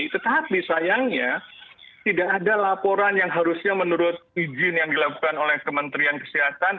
tetapi sayangnya tidak ada laporan yang harusnya menurut izin yang dilakukan oleh kementerian kesehatan